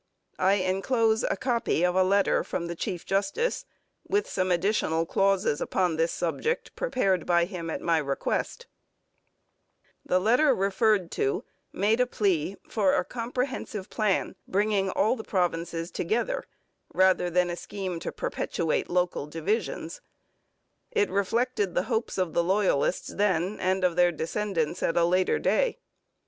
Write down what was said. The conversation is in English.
I inclose a copy of a letter from the Chief Justice, with some additional clauses upon this subject prepared by him at my request. [Illustration: William Smith. From a portrait in the Parliament Buildings, Ottawa] The letter referred to made a plea for a comprehensive plan bringing all the provinces together, rather than a scheme to perpetuate local divisions. It reflected the hopes of the Loyalists then and of their descendants at a later day.